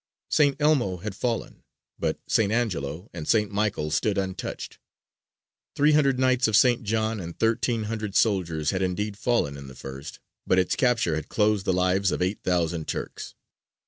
St. Elmo had fallen: but St. Angelo and St. Michael stood untouched. Three hundred Knights of St. John and thirteen hundred soldiers had indeed fallen in the first, but its capture had closed the lives of eight thousand Turks.